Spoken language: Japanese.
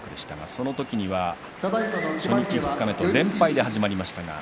その時には初日、二日目と連敗で始まりました。